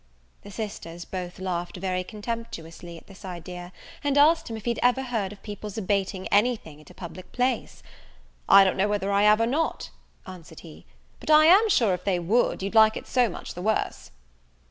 The sisters both laughed very contemptuously at this idea, and asked him if he ever heard of people's abating any thing at a public place? I don't know whether I have or not," answered he; "but I am sure if they would, you'd like it so much the worse."